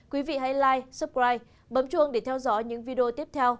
quý vị hãy like subscribe bấm chuông để theo dõi những video tiếp theo